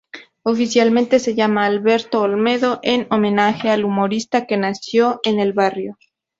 Oficialmente se llama Alberto Olmedo, en homenaje al humorista que nació en el barrio.